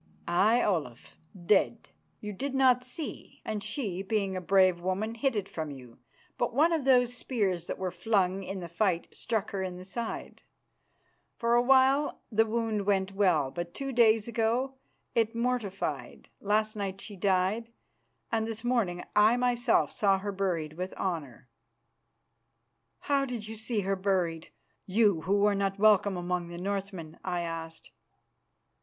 "Aye, Olaf, dead. You did not see, and she, being a brave woman, hid it from you, but one of those spears that were flung in the fight struck her in the side. For a while the wound went well. But two days ago it mortified; last night she died and this morning I myself saw her buried with honour." "How did you see her buried, you who are not welcome among the Northmen?" I asked.